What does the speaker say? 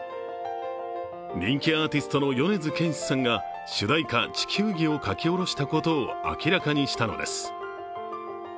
人気アーティストの米津玄師さんが主題歌「地球儀」を書き下ろしたことを明らかにしたのです。